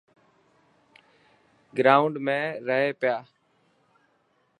گرائونڊ ۾ رهي پيا.